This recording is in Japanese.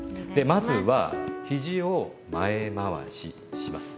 まずはひじを前回しします。